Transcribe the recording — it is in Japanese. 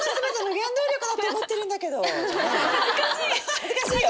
恥ずかしいよ